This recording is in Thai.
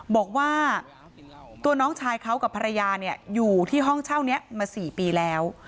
บอกว่าตัวน้องชายเขากับภรรยาอยู่ที่ห้องเช่านี้มา๔ปีแล้ว